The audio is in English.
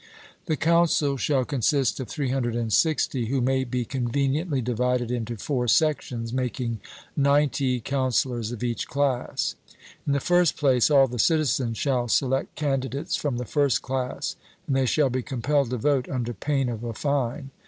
The council shall consist of 360, who may be conveniently divided into four sections, making ninety councillors of each class. In the first place, all the citizens shall select candidates from the first class; and they shall be compelled to vote under pain of a fine.